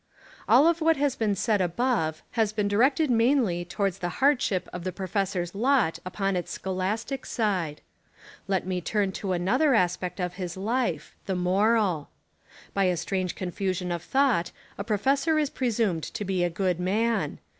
AH of what has been said above has been directed mainly towards the hardship of the professor's lot upon its scholastic side. Let me turn to another aspect of his life, the moral. By a strange confusion of thought a professor is presumed to be a good man.